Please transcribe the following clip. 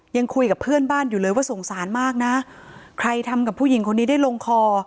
ยังคุยกับเพื่อนบ้านอยู่เลยว่าสงสารมากนะใครทำกับผู้หญิงคนนี้ได้ลงคอ